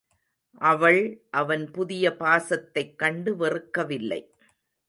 அவள் அவன் புதிய பாசத்தைக் கண்டு வெறுக்கவில்லை.